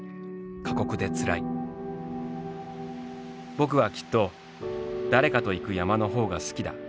「僕はきっと誰かと行く山のほうが好きだ。